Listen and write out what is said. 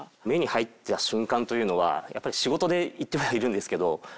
目に入った瞬間というのは仕事で行ってはいるんですけど。